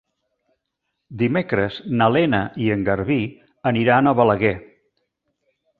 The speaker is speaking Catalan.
Dimecres na Lena i en Garbí aniran a Balaguer.